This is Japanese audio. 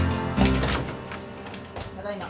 ただいま。